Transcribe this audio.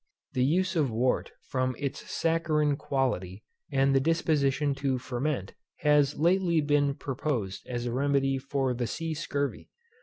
The use of wort from its saccharine quality, and disposition to ferment, has lately been proposed as a remedy for the SEA SCURVY.